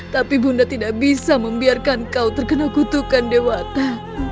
tapi bunda tidak bisa membiarkan kau terkena kutukan dewata